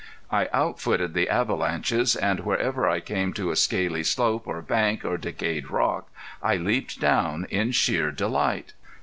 I outfooted the avalanches and wherever I came to a scaly slope or bank or decayed rock, I leaped down in sheer delight.